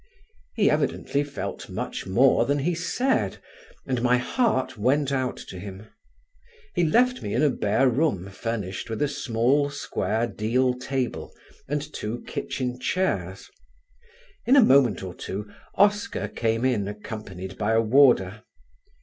He evidently felt much more than he said, and my heart went out to him. He left me in a bare room furnished with a small square deal table and two kitchen chairs. In a moment or two Oscar came in accompanied by a warder.